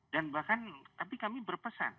dan bahkan tapi kami berpesan